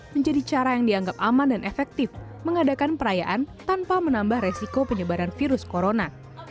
menjadi cara yang dianggap aman dan efektif mengadakan perayaan tanpa menambah resiko penyebaran virus corona